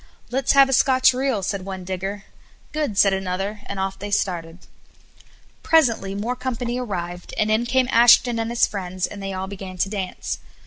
"Let's have a Scotch reel," said one digger. "Good," said another; and off they started. Presently more company arrived, and in came Ashton and his friends, and they all began to dance.